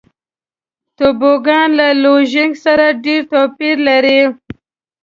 توبوګان له لوژینګ سره ډېر توپیر لري.